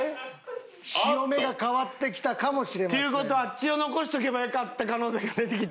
潮目が変わってきたかも。っていう事はあっちを残しておけばよかった可能性が出てきた？